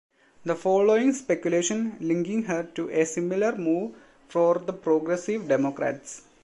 This followed speculation linking her to a similar move for the Progressive Democrats.